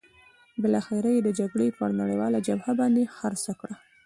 بالاخره یې د جګړې پر نړیواله جبهه باندې خرڅه کړه.